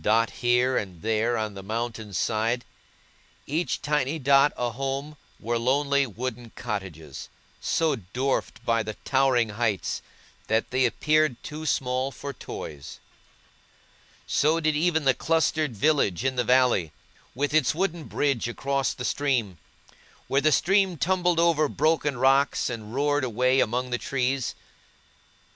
Dotted here and there on the mountain's side, each tiny dot a home, were lonely wooden cottages, so dwarfed by the towering heights that they appeared too small for toys. So did even the clustered village in the valley, with its wooden bridge across the stream, where the stream tumbled over broken rocks, and roared away among the trees.